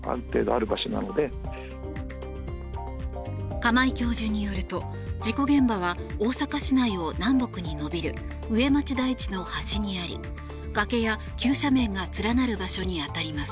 釜井教授によると、事故現場は大阪市内を南北に延びる上町台地の端にあり崖や急斜面が連なる場所に当たります。